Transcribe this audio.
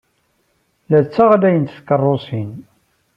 La ttaɣlayent tkeṛṛusin.